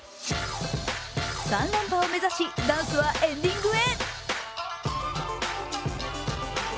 ３連覇を目指し、ダンスはエンディングへ。